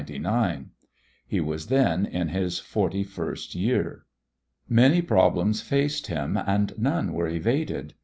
He was then in his forty first year. Many problems faced him and none were evaded.